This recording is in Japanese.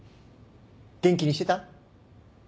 元気にしてた？